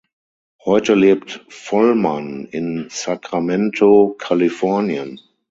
Heute lebt Vollmann in Sacramento, Kalifornien.